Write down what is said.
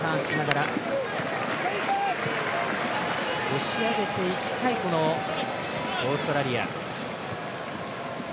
押しあげていきたいオーストラリア。